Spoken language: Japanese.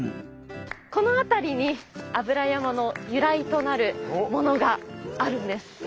この辺りに油山の由来となるものがあるんです。